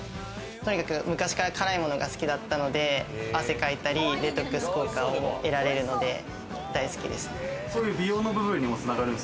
昔から辛いものが好きだったので、汗かいたり、デトックス効果を得られるので大好きですね。